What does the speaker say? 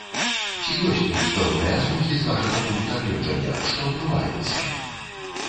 Ці ёсць тут пэўныя зрухі, з вашага пункта гледжання, што адбываецца?